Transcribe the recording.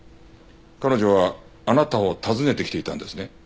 彼女はあなたを訪ねてきていたんですね。